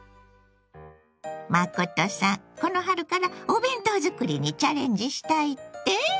真さんこの春からお弁当作りにチャレンジしたいって？